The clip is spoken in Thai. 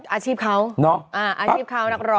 อาชีพเขาอาชีพเขานักร้อง